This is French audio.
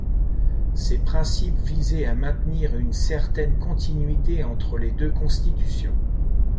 Ces principes visaient à maintenir une certaines continuité entre les deux Constitutions.